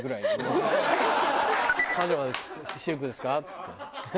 っつって。